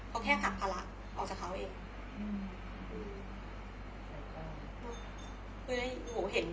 เขาแค่ผลักภาระออกจากเขาเอง